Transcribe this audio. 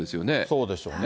そうでしょうね。